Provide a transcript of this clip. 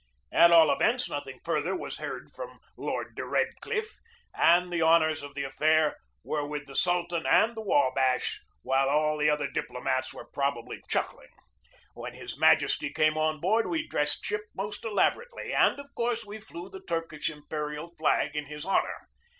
At all events, nothing further was heard from Lord de Redcliffe, and the honors of the affair were with the Sultan and the Wabash, while all the other diplomats were 28 GEORGE DEWEY probably chuckling. When his Majesty came on board we dressed ship most elaborately, and of course we flew the Turkish imperial flag in his honor.